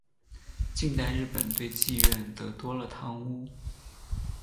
近代日本对妓院则多了汤屋。